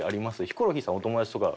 ヒコロヒーさんお友達とか。